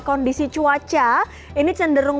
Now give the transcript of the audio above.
kondisi cuaca ini cenderung